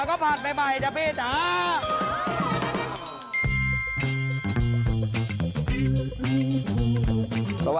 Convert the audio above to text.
สิ่งหมูร้านเก่าแต่เราก็ผัดใหม่จะเปลี่ยนล่ะ